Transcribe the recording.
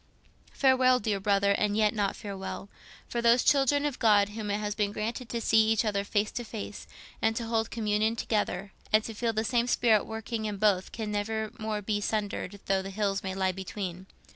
"Farewell, dear brother—and yet not farewell. For those children of God whom it has been granted to see each other face to face, and to hold communion together, and to feel the same spirit working in both can never more be sundered though the hills may lie between.